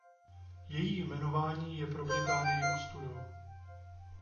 Její jmenování je pro Británii ostudou.